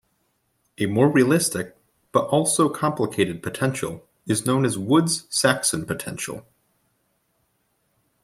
A more realistic but also complicated potential is known as Woods-Saxon potential.